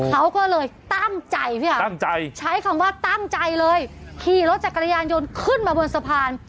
เขาก็เลยตั้งใจพี่อ่ะตั้งใจใช้คำว่าตั้งใจเลยขี่รถจักรยานยนต์ขึ้นมาบนสะพาน